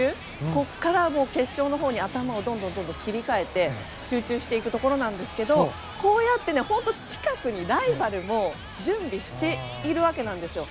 ここから決勝のほうに頭をどんどん切り替えて集中していくところなんですがこうやって、近くにライバルも準備しているわけなんですよ。